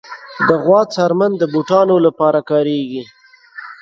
د غوا څرمن د بوټانو لپاره کارېږي.